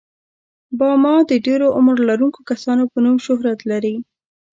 باما د ډېر عمر لرونکو کسانو په نوم شهرت لري.